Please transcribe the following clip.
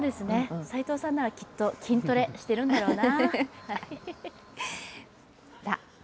齋藤さんなら、きっと筋トレしてるんだろうな。